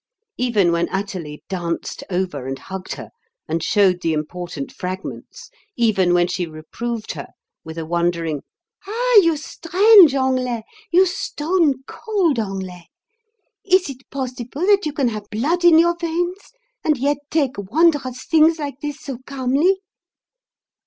Even when Athalie danced over and hugged her and showed the important fragments; even when she reproved her with a wondering, "Ah, you strange Anglais you stone cold Anglais! Is it possible that you can have blood in your veins and yet take wondrous things like this so calmly?"